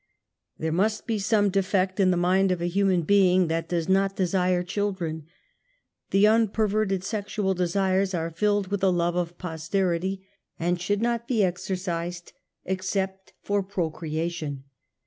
There must be some defect in the mind of a human heing that does not desire children. The unperver ted sexual desires are filled with a love of posterity, and should not be exercised except for procreation.